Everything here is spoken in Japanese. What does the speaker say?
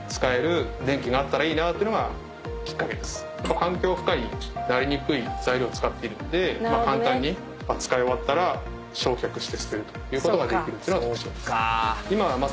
環境負荷になりにくい材料を使っているので簡単に使い終わったら焼却して捨てるということができるっていうのが特長です。